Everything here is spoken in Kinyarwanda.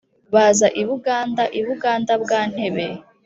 Baza i Buganda, Buganda bwa Ntebe :